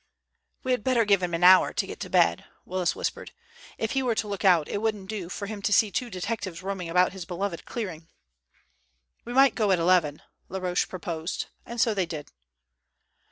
"We had better give him an hour to get to bed," Willis whispered. "If he were to look out it wouldn't do for him to see two detectives roaming about his beloved clearing." "We might go at eleven," Laroche proposed, and so they did.